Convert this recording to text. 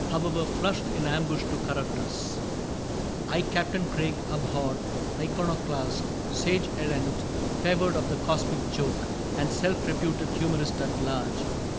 However, flashed in ambush to corrupt us :^^ I, Captain Craig, abhorred iconoclast. Sage errant, favored of the Cosmic Joke, And self reputed humorist at large.